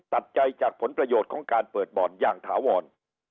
ตัดใจจากผลประโยชน์ของการเปิดบ่อนอย่างถาวร